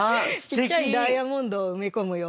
ちっちゃいダイヤモンドを埋め込むような。